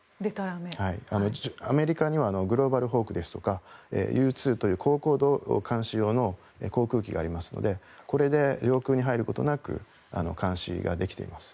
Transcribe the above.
アメリカにはグローバルホークですとかＵ２という高高度監視用の航空機がありますのでこれで領空に入ることなく監視ができています。